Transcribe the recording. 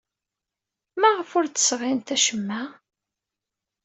Maɣef ur d-sɣint acemma?